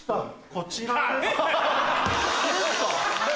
こちら。